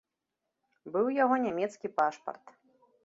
Быў у яго нямецкі пашпарт.